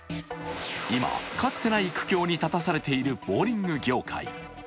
今、かつてない苦境に立たされているボウリング業界。